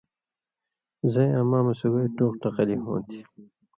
زَیں اماں مہ سُگائ ٹوق ٹقلی ہوں تھی